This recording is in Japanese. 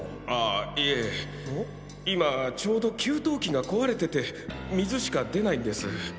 ああいえ今ちょうど給湯器が壊れてて水しか出ないんです。